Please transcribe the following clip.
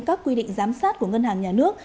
các quy định giám sát của ngân hàng nhà nước